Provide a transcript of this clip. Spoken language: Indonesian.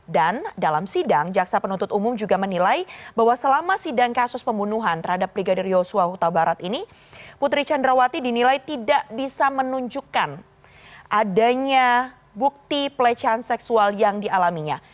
dan dalam sidang jaksa penuntut umum juga menilai bahwa selama sidang kasus pembunuhan terhadap brigadir yosua hutabarat ini putri candrawati dinilai tidak bisa menunjukkan adanya bukti pelecehan seksual yang dialaminya